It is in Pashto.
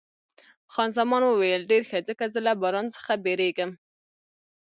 خان زمان وویل، ډېر ښه، ځکه زه له باران څخه بیریږم.